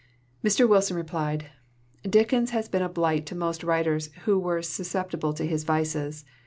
Mr. Wilson replied: "Dickens has been a blight to most writers who were susceptible to his vices.